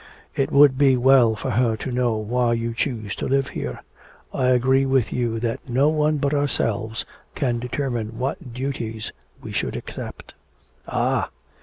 It would be well for her to know why you choose to live here. I agree with you that no one but ourselves can determine what duties we should accept.' 'Ah!